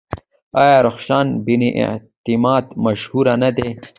آیا رخشان بني اعتماد مشهوره نه ده؟